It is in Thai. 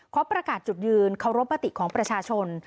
ประกาศจุดยืนเคารพมติของประชาชน